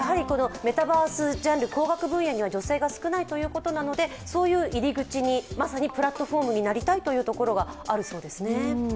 メタバースジャンル、工学分野には女性が少ないのでそういう入り口、プラットフォームになりたいというところがあるそうですね。